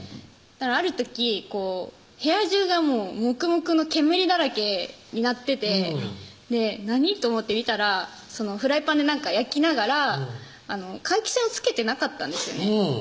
ある時部屋中がモクモクの煙だらけになってて何？と思って見たらフライパンで何か焼きながら換気扇をつけてなかったんですよね